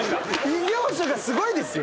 異業種がすごいですよ！